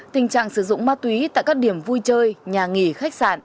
tình trạng sử dụng ma túy tại các điểm vui chơi nhà nghỉ khách sạn